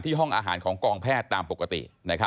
ห้องอาหารของกองแพทย์ตามปกติ